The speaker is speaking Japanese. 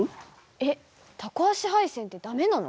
えっタコ足配線って駄目なの？